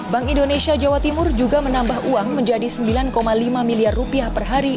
bank indonesia jawa timur juga menambah uang menjadi sembilan lima miliar rupiah per hari